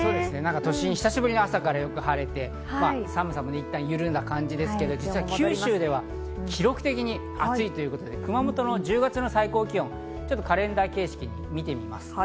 都心、久しぶりに朝からよく晴れて、寒さも緩んだ感じですけど実は九州では記録的に暑いということで熊本の１０月の最高気温、ちょっとカレンダー形式で見てみます。